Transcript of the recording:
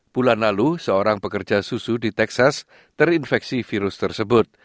bulan lalu seorang pekerja susu di texas terinfeksi virus tersebut